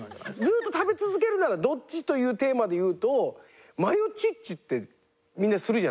「ずっと食べ続けるならどっち？」というテーマでいうと。